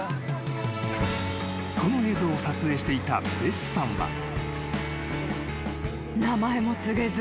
［この映像を撮影していたベスさんは］